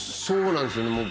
そうなんですよね。